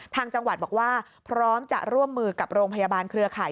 ทางจังหวัดบอกว่าพร้อมจะร่วมมือกับโรงพยาบาลเครือข่าย